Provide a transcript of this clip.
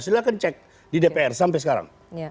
silahkan cek di dpr sampai sekarang